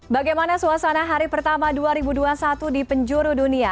bagaimana suasana hari pertama dua ribu dua puluh satu di penjuru dunia